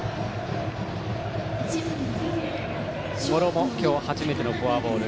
茂呂も今日初めてのフォアボール。